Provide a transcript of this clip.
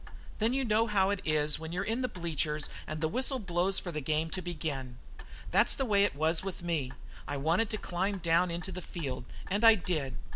"Then you know how it is when you're in the bleachers and the whistle blows for the game to begin. That's the way it was with me. I wanted to climb down into the field and I did.